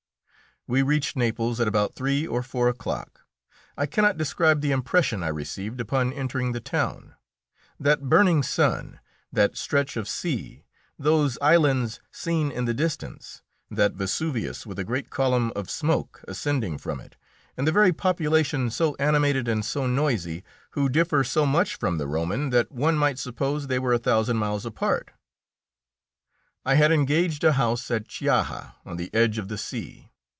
We reached Naples at about three or four o'clock. I cannot describe the impression I received upon entering the town. That burning sun, that stretch of sea, those islands seen in the distance, that Vesuvius with a great column of smoke ascending from it, and the very population so animated and so noisy, who differ so much from the Roman that one might suppose they were a thousand miles apart. I had engaged a house at Chiaja on the edge of the sea.